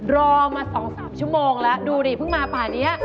รอมา๒๓ชั่วโมงแล้วดูดิเพิ่งมาป่านี้